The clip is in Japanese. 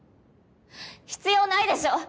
必要ないでしょ！